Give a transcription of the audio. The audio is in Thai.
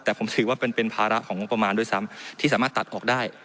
แต่ผมถือว่าเป็นภาระของงบประมาณด้วยซ้ำที่สามารถตัดออกได้